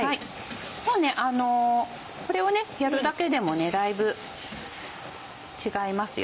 もうねこれをやるだけでもねだいぶ違いますよ